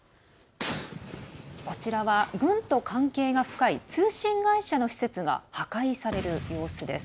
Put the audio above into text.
こちらは、軍と関係が深い通信会社の施設が破壊される様子です。